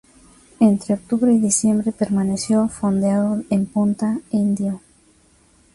Entre octubre y diciembre permaneció fondeado en Punta Indio.